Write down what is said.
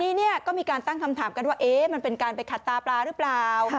ทีนี้เนี่ยก็มีการตั้งคำถามกันว่ามันเป็นการไปขัดตาปลาหรือเปล่า